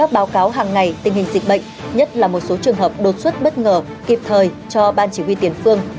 báo cáo hàng ngày tình hình dịch bệnh nhất là một số trường hợp đột xuất bất ngờ kịp thời cho ban chỉ huy tiền phương